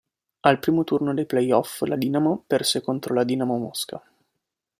Al primo turno dei play-off la Dinamo perse contro la Dinamo Mosca.